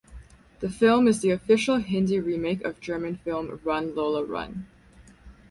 The film is the official Hindi remake of German film "Run Lola Run".